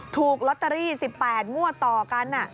ถูกลอตเตอรี่๑๘งวดต่อกัน